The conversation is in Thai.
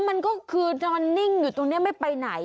และมันก็นอนนิ่งอยู่ตรงนี้จะไม่ไปไปไหน